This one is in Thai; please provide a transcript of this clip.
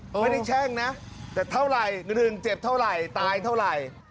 ไม่ได้แช่งนะแต่เท่าไหร่๑เจ็บเท่าไหร่ตายเท่าไหร่